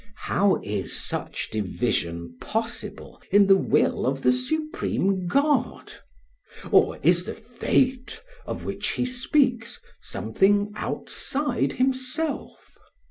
How is such division possible in the will of the supreme god? Or is the "fate" of which he speaks something outside himself?